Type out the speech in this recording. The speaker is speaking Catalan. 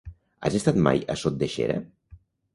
Has estat mai a Sot de Xera?